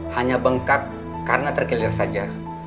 hanya bengkak karena terkilir saja